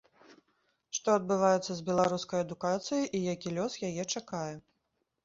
Што адбываецца з беларускай адукацыяй і які лёс яе чакае?